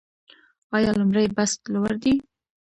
آیا لومړی بست لوړ دی؟